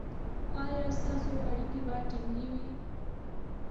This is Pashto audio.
ایا ستاسو اړیکې به ټینګې وي؟